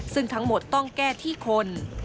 ซึ่งทั้งหมดต้องแก้ที่คน